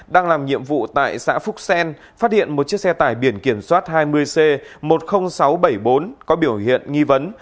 đang làm nhiệm vụ tại xã phúc sen phát hiện một chiếc xe tải biển kiểm soát hai mươi c một mươi nghìn sáu trăm bảy mươi bốn có biểu hiện nghi vấn